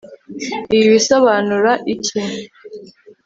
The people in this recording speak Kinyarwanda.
Ibi bisobanura iki